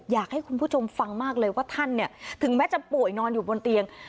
อยากให้คุณผู้ชมฟังมากเลยว่าท่านเนี่ยถึงแม้จะป่วยนอนอยู่บนเตียง